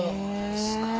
すごい。